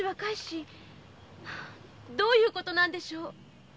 どういう事なんでしょう？